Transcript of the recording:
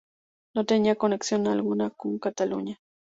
No tenía conexión alguna con Cataluña.